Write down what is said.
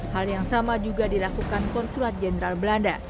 hal yang sama juga dilakukan konsulat jenderal belanda